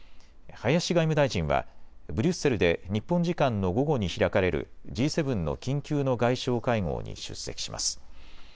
林外務大臣はブリュッセルで日本時間の午後に開かれるＧ７の緊急の外相会合に出席します。